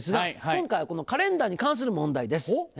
今回はこのカレンダーに関する問題です。